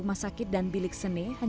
kaki kiri bisa digerakkan